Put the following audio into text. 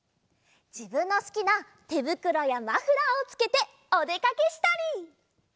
じぶんのすきなてぶくろやマフラーをつけておでかけしたり。